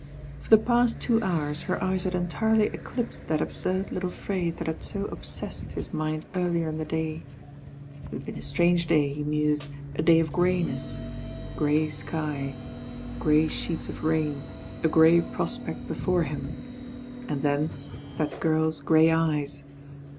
IFor the past two hours her eyes had entirely eclipsed that absurd little phrase that had so ob sessed his mind earlier in the day. It had been a strange day, he mused, a day of greyness: grey sky. "THE TWO DRAGONS IT grey theetE of rain, • grey prospect before him, and then that girl's grey eyes.